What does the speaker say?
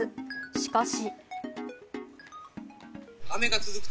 しかし。